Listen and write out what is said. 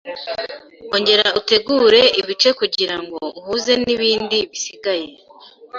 Ongera utegure ibice kugirango uhuze nibindi bisigaye